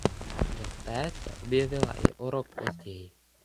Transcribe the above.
V té se objevila i o rok později.